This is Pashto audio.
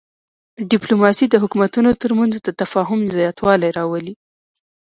ډیپلوماسي د حکومتونو ترمنځ د تفاهم زیاتوالی راولي.